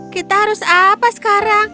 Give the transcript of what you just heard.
kita harus apa sekarang